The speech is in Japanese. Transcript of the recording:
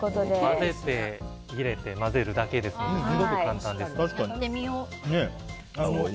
混ぜて入れて混ぜるだけなのですごく簡単です。